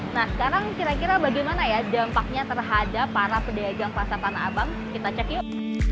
nah sekarang kira kira bagaimana ya dampaknya terhadap para pedagang pasar tanah abang kita cek yuk